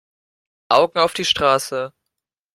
Augen auf die Straße!